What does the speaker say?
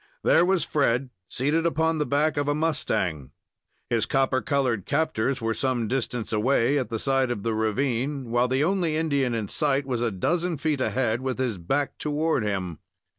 There was Fred seated upon the back of a mustang. His copper colored captors were some distance away at the side of the ravine, while the only Indian in sight was a dozen feet ahead with his back toward him.